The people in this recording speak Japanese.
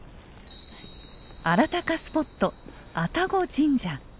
あらたかスポット愛宕神社。